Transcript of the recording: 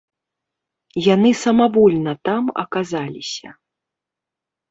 Яны самавольна там аказаліся.